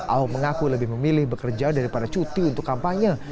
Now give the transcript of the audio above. ahok mengaku lebih memilih bekerja daripada cuti untuk kampanye